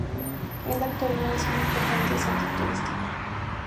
En la actualidad, es un importante centro turístico.